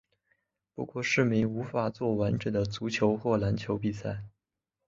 不过市民无法作完整的足球或篮球比赛。